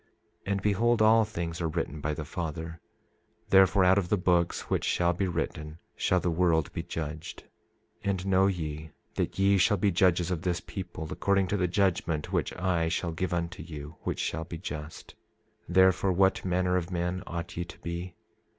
27:26 And behold, all things are written by the Father; therefore out of the books which shall be written shall the world be judged. 27:27 And know ye that ye shall be judges of this people, according to the judgment which I shall give unto you, which shall be just. Therefore, what manner of men ought ye to be?